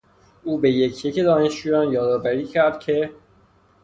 او به یک یک دانشجویان یادآوری کرد که...